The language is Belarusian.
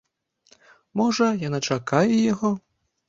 Можа, яна чакае яго?